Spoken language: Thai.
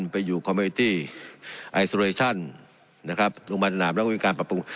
ไปอยู่นะครับโรงพยาบาลสนามแล้วก็มีการปรับปรุง